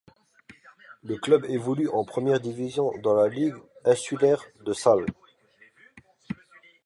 Le club évolue en première division dans la Ligue insulaire de Sal.